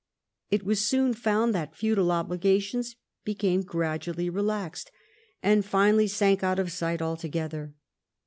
It was soon found that feudal obligations became gradually relaxed, and finally sank out of sight altogether.